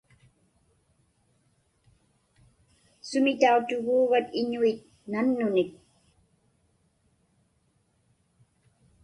Sumi tautuguuvat iñuit nannunik?